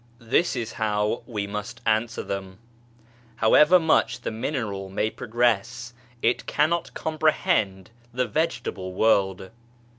This is how we must answer them : However much the mineral may progress, it cannot comprehend the vegetable world.